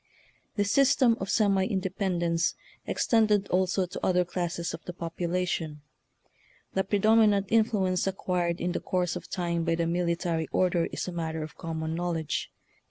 This system of semi independence ex tended also to other classes of the popula tion. The predominant influence acquired in the course of time by the military order is a matter of common knowledge.